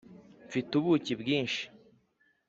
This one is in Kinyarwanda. mfite ubuki bwinshi